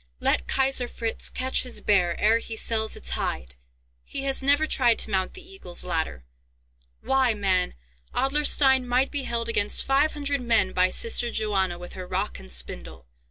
"Let Kaiser Fritz catch his bear ere he sells its hide! He has never tried to mount the Eagle's Ladder! Why, man, Adlerstein might be held against five hundred men by sister Johanna with her rock and spindle!